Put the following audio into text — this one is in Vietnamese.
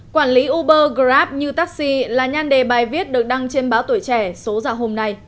quản lý uber grab như taxi là nhan đề bài viết được đăng trên báo tuổi trẻ số ra hôm nay